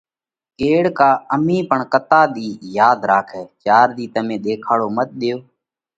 ڪيڙ ڪا امهين پڻ ڪتا ۮِي ياڌ راکئه؟ چار ۮِي تمي ۮيکاڙو مت ۮيو،